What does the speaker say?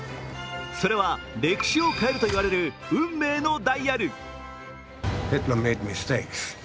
それは歴史を変えるといわれる運命のダイヤル。